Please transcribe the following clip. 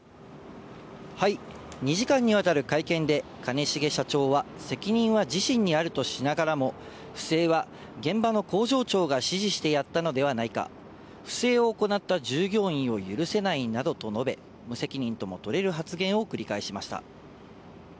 ２時間にわたる会見で、兼重社長は責任は自身にあるとしながらも、不正は現場の工場長が指示してやったのではないか、不正を行った従業員を許せないなどと述べ、無責任とも取れる発言を繰り返しました。